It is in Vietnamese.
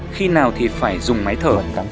khi nào thì phải dùng máy thở